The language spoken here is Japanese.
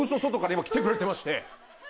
今来てくれてまして。